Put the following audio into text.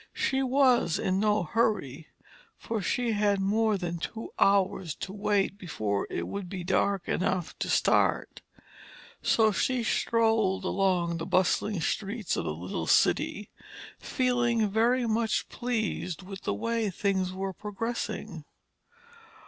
She was in no hurry, for she had more than two hours to wait before it would be dark enough to start. So she strolled along the bustling streets of the little city, feeling very much pleased with the way things were progressing.